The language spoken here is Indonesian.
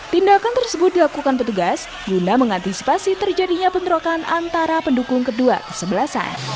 tindakan tersebut dilakukan petugas guna mengantisipasi terjadinya bentrokan antara pendukung kedua kesebelasan